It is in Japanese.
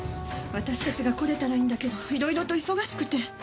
私たちが来れたらいいんだけどいろいろと忙しくて。